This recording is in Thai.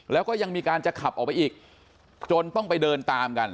แล้วก็ยังมีการจะขับออกไปอีกจนต้องไปเดินตามกัน